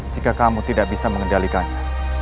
jika kamu tidak bisa mengendalikannya